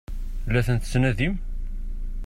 La tent-tettnadim?